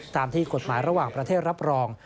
ตามที่กฎหมายระหว่างประเทศรับรอง